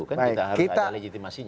kita harus ada legitimasinya